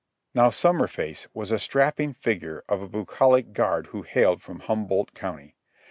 Now Summerface was a strapping figure of a bucolic guard who hailed from Humboldt County.